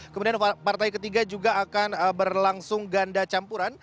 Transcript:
kemudian partai ketiga juga akan berlangsung ganda campuran